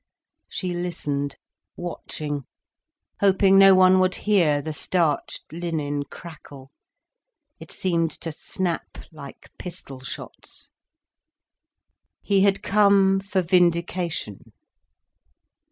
She listened, watching, hoping no one would hear the starched linen crackle. It seemed to snap like pistol shots. He had come for vindication.